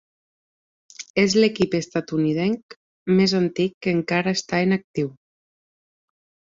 És l'equip estatunidenc més antic que encara està en actiu.